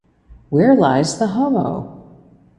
Where Lies the Homo?